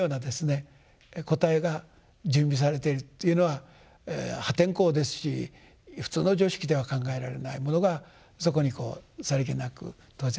答えが準備されているというのは破天荒ですし普通の常識では考えられないものがそこにこうさりげなく投ぜられていくと。